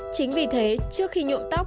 chính vì thế trước khi nhuộm tóc